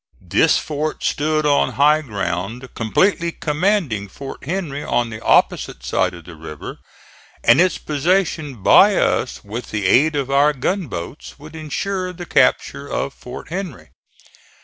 This fort stood on high ground, completely commanding Fort Henry on the opposite side of the river, and its possession by us, with the aid of our gunboats, would insure the capture of Fort Henry.